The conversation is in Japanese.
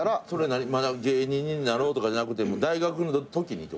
まだ芸人になろうとかじゃなくて大学のときにってこと？